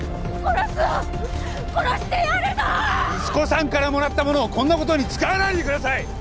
息子さんからもらったものをこんな事に使わないでください！